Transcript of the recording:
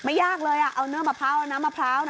เอาเนื้อมะพร้าวน้ำมะพร้าว